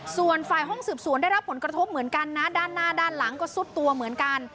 ส่วนฝ่ายห้องสืบสวนได้รับผลกระทบเหมือนกันนะด้านหน้าด้านหลังก็ซุดตัวเหมือนกัน